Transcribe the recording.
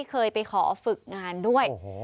เคยไปขอฝึกงานด้วย